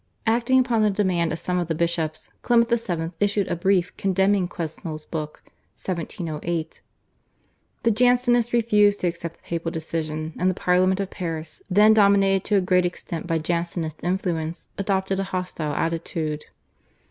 Acting upon the demand of some of the bishops Clement XI. issued a brief condemning Quesnel's book (1708). The Jansenists refused to accept the papal decision and the Parliament of Paris, then dominated to a great extent by Jansenist influence, adopted a hostile attitude.